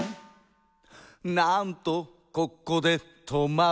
「なんとここで止まったか」